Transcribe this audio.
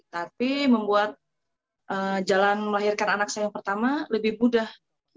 tapi membuat jalan melahirkan anak saya yang pertama lebih mudah